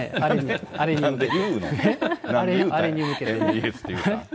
あれに向けて。